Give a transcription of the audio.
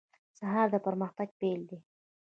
سهار د پرمختګ پیل دی.